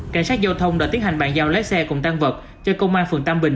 cảnh sát giao thông đã tiến hành bàn giao lái xe cùng tan vật cho công an phường tam bình